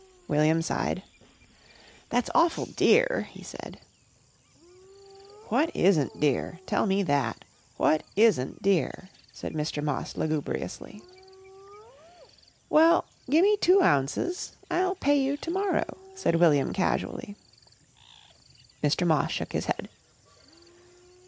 William sighed. "That's awful dear," he said. "What isn't dear? Tell me that. What isn't dear?" said Mr. Moss lugubriously. "Well, gimme two ounces. I'll pay you to morrow," said William casually. Mr. Moss shook his head.